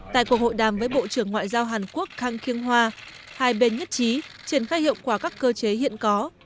tại cuộc hội đàm với bộ trưởng ngoại giao hàn quốc kang kiêng hòa hai bên nhất trí triển khai hiệu quả các cơ chế hiện có